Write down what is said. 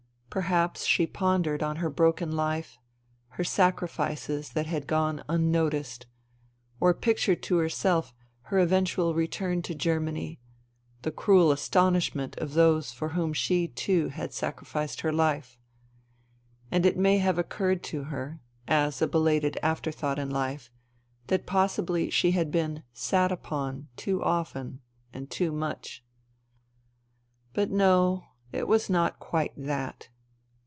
Perhaps she pondered on her broken life, her sacrifices that had gone unnoticed ; or pictured to herself her eventual return to Germany, the cruel astonishment of those for whom she too had sacrificed her life. And it may have occurred to her, as a belated after thought in life, that possibly she had been " sat upon " too often and too much. But no ; it was not quite that.